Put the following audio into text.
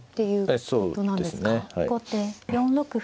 後手４六歩。